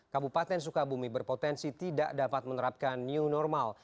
kabupaten sukabumi berpotensi tidak dapat menerapkan new normal